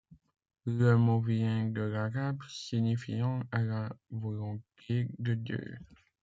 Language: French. Le mot vient de l'arabe, signifiant à la volonté de Dieu.